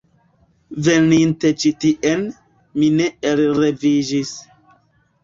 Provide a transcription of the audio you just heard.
Veninte ĉi tien, mi ne elreviĝis.